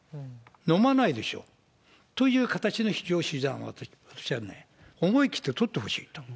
飲まないでしょ？という形の非常手段を、私はね、思い切って取ってほしいと思う。